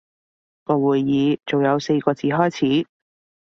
個會議仲有四個字開始